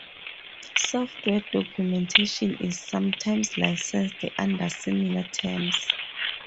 Software documentation is sometimes licensed under similar terms.